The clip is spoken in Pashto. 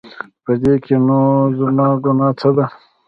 په دې کې نو زما ګناه څه ده؟